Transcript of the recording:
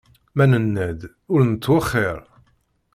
Ma nenna-d, ur nettwexxiṛ.